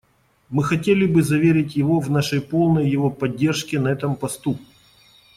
Мы хотели бы заверить его в нашей полной его поддержке на этом посту.